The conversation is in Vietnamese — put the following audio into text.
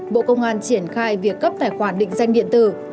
bộ công an triển khai việc cấp tài khoản định danh điện tử